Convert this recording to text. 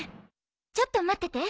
ちょっと待ってて。